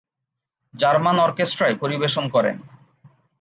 German অরকেস্ট্রায় পরিবেশন করেন।